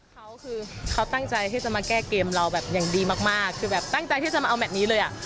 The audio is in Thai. เขาคือเขาตั้งใจที่จะมาแก้เกมเราแบบอย่างดีมากมากคือแบบตั้งใจที่จะมาเอาแมทนี้เลยอ่ะ